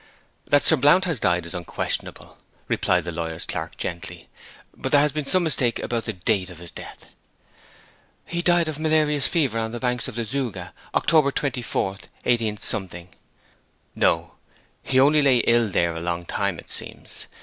'That Sir Blount has died is unquestionable,' replied the lawyer's clerk gently. 'But there has been some mistake about the date of his death.' 'He died of malarious fever on the banks of the Zouga, October 24, 18 .' 'No; he only lay ill there a long time it seems.